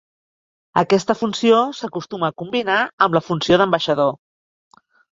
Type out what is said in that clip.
Aquesta funció s'acostuma a combinar amb la funció d'ambaixador.